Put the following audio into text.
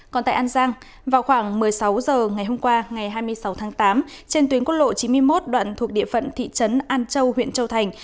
còn tại an giang vào khoảng một mươi sáu h ngày hôm qua ngày hai mươi sáu tháng tám trên tuyến quốc lộ chín mươi một đoạn thuộc địa phận thị trấn an châu huyện châu thành